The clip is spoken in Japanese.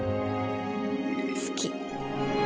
好き。